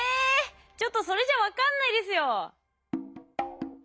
ちょっとそれじゃ分かんないですよ。